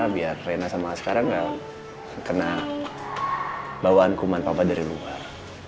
biar rena sama sekarang gak kena bawaan kuman papa dari luar